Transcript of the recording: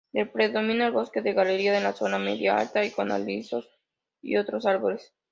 Predomina el bosque de galería en la zona media-alta con alisos y otros árboles.